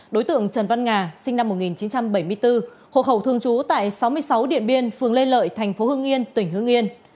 đối tượng trần văn nga sinh năm một nghìn chín trăm bảy mươi bốn hộ khẩu thường trú tại sáu mươi sáu điện biên phường lê lợi thành phố hương yên tỉnh hương yên